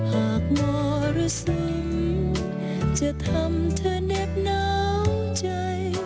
หากหมอรู้สึงจะทำเธอเหน็บเหนาใจ